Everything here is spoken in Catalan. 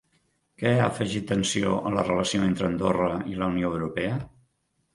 Què ha afegit tensió a la relació entre Andorra i la Unió Europea?